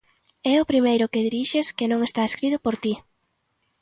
É o primeiro que dirixes que non está escrito por ti.